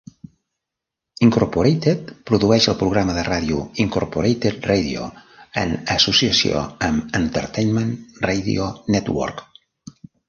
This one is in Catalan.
Incorporated produeix el programa de ràdio "Incorporated Radio" en associació amb Entertainment Radio Network.